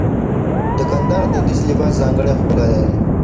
د کندهار دودیز لباس ځانګړی ښکلا لري.